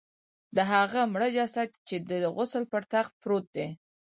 د هغه مړه جسد چې د غسل پر تخت پروت دی.